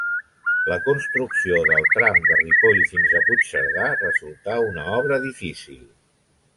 La construcció del tram de Ripoll fins a Puigcerdà resultà una obra difícil.